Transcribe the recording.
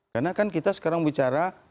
karena kan kita sekarang bicara